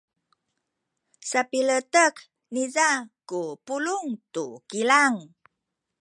sapiletek niza ku pulung tu kilang.